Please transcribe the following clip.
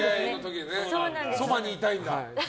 そばにいたいんだ？